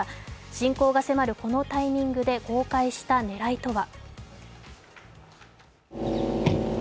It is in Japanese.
侵攻が迫るこのタイミングで公開した狙いとは。